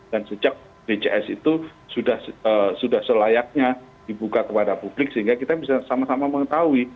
dan sejak dcs itu sudah selayaknya dibuka kepada publik sehingga kita bisa sama sama mengetahui